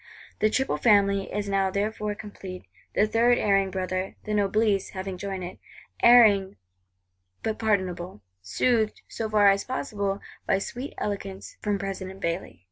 The "Triple Family" is now therefore complete; the third erring brother, the Noblesse, having joined it;—erring but pardonable; soothed, so far as possible, by sweet eloquence from President Bailly.